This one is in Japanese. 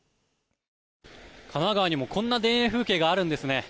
神奈川にもこんな田園風景があるんですね。